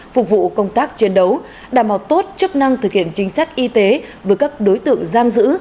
phục vụ công tác chiến đấu đảm bảo tốt chức năng thực hiện chính sách y tế với các đối tượng giam giữ